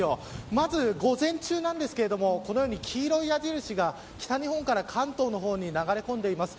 まず、午前中なんですけどこのように、黄色い矢印が北日本から関東の方に流れ込んでいます。